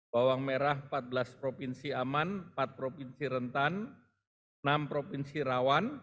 bawang merah empat belas provinsi aman empat provinsi rentan enam provinsi rawan